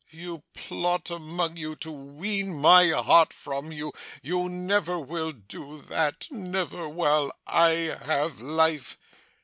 'You plot among you to wean my heart from her. You never will do that never while I have life.